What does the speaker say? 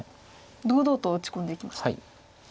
堂々と打ち込んでいきました。